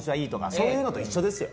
そういうのと一緒ですよ。